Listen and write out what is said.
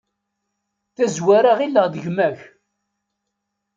Tazwara ɣilleɣ d gma-k.